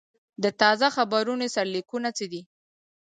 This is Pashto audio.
د تازه خبرونو سرلیکونه څه دي؟